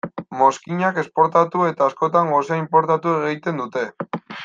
Mozkinak esportatu eta askotan gosea inportatu egiten dute.